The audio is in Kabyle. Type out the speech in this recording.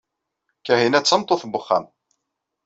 Kahina d tameṭṭut n wexxam.